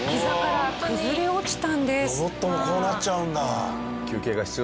ロボットもこうなっちゃうんだ。